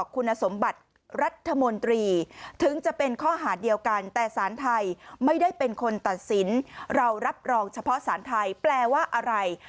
คุณสมบัติรัฐมนตรีถึงจะเป็นข้อหาเดียวกันแต่สารไทยไม่ได้เป็นคนตัดสินเรารับรองเฉพาะสารไทยแปลว่าอะไร